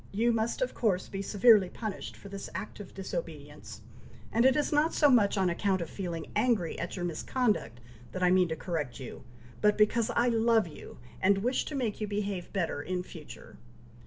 you must, of course, be severely punished for this act of disobedience, and it is not so much on account of feeling angry at your misconduct that I mean to correct you, but because I love you, and wish to make you behave better in future.